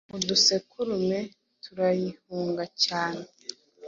udusekurume turayihunga cyane